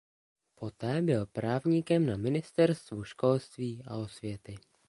Poté byl právníkem na ministerstvu školství a osvěty.